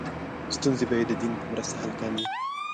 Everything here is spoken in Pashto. ستونزې به یې د دین په مرسته حل کاندې.